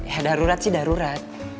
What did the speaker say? ya darurat sih darurat